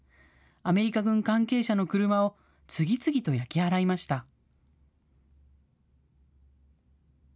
アメリカ軍関係者の車を次々と焼き払いました。